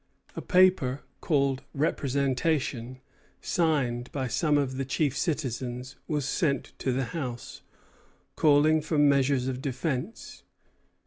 A paper, called a "Representation," signed by some of the chief citizens, was sent to the House, calling for measures of defence.